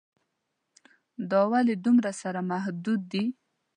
دا ولې دومره سره محدود دي.